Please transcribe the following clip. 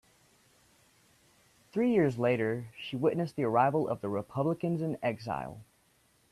Three years later she witnessed the arrival of the Republicans in exile.